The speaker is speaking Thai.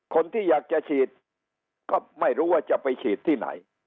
คนที่อยากจะฉีดก็ไม่รู้ว่าจะไปฉีดที่ไหน